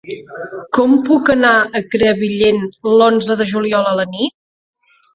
Com puc anar a Crevillent l'onze de juliol a la nit?